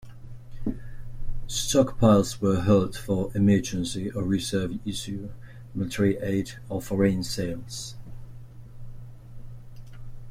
Stockpiles were held for emergency or reserve issue, military aid, or foreign sales.